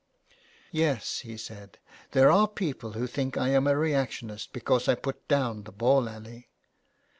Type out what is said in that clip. Yes/' he said, " there are people who think I am a reactionist because I put down the ball alley."